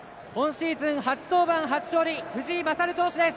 今シーズン初登板、初勝利藤井聖投手です。